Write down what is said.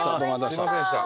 すみませんでした。